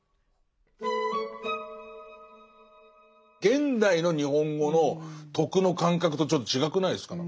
現代の日本語の徳の感覚とちょっと違くないですか？